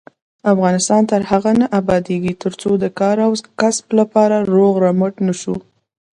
افغانستان تر هغو نه ابادیږي، ترڅو د کار او کسب لپاره روغ رمټ نشو.